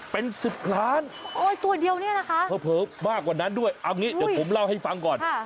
เป็น๑๐ล้านโอ้ยตัวเดียวเนี่ยนะคะเผลอมากกว่านั้นด้วยเอางี้เดี๋ยวผมเล่าให้ฟังก่อน